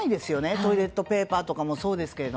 トイレットペーパーとかもそうですが。